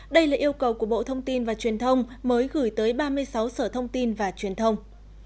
đây là yêu cầu của bộ thông tin và truyền thông mới gửi tới ba mươi sáu sở thông tin và truyền thông